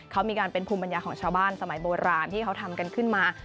เขามีการเป็นภูมิปัญญาของชาวบ้านสมัยโบราณที่เขาทำกันขึ้นมา